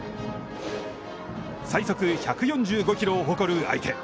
最速１４５キロを誇る相手。